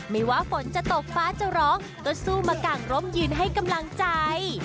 ไม่ว่าฝนจะตกฟ้าจะร้องก็สู้มาก่างร่มยืนให้กำลังใจ